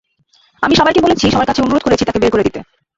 আমি সবাইকে বলেছি, সবার কাছে অনুরোধ করেছি তাঁকে বের করে দিতে।